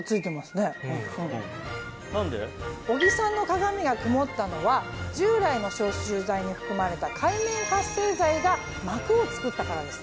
小木さんの鏡が曇ったのは従来の消臭剤に含まれた界面活性剤が膜を作ったからです。